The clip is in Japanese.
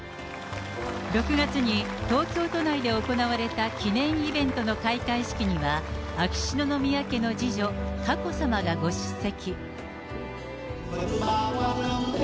６月に東京都内で行われた記念イベントの開会式には、秋篠宮家の次女、佳子さまがご出席。